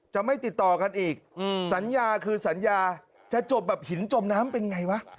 จะไม่ติดต่อกันอีกสัญญาคือสัญญาจะจบแบบหินจมน้ำเป็นไงวะ